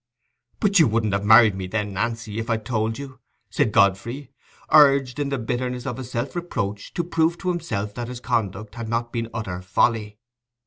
"But you wouldn't have married me then, Nancy, if I'd told you," said Godfrey, urged, in the bitterness of his self reproach, to prove to himself that his conduct had not been utter folly.